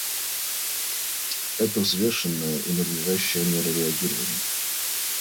Это взвешенная и надлежащая мера реагирования.